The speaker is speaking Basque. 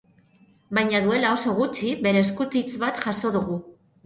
Baina duela oso gutxi, bere eskutitz bat jaso dugu.